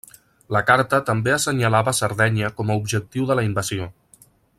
La carta també assenyalava Sardenya com a objectiu de la invasió.